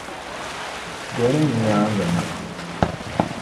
Doli n nyaaŋa na.